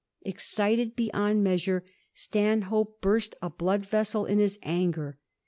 Excited beyond measm^, Stanhope burst a blood vessel in his anger.